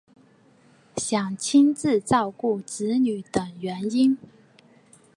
想亲自照顾子女等原因